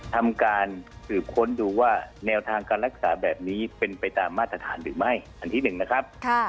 ทำการสืบค้นดูว่าแนวทางการรักษาแบบนี้เป็นไปตามมาตรฐานหรือไม่อันที่หนึ่งนะครับ